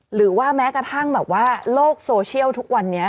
หรือว่าแม้กระทั่งแบบว่าโลกโซเชียลทุกวันนี้